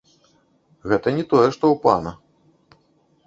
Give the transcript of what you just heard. Гэта не тое што ў пана.